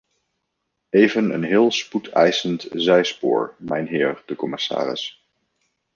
Even een heel spoedeisend zijspoor, mijnheer de commissaris.